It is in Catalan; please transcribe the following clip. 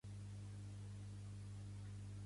Com fan les patates xips de sabors diferents?